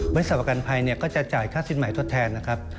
บริษัทประกันภัยเนี่ยก็จะจ่ายค่าสินหมายทดแทนนะครับ